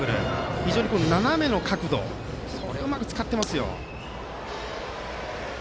非常に斜めの角度をうまく使っていますよ。